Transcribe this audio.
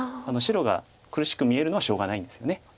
白が苦しく見えるのはしょうがないんですよね。